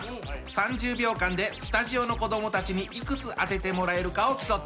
３０秒間でスタジオの子どもたちにいくつ当ててもらえるかを競ってください。